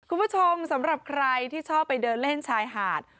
คุณผู้ชมสำหรับใครที่ชอบไปเดินเล่นชายหาด